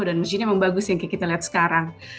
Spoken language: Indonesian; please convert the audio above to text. dan masjidnya bagus yang kita lihat sekarang